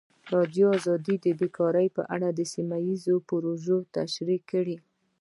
ازادي راډیو د بیکاري په اړه سیمه ییزې پروژې تشریح کړې.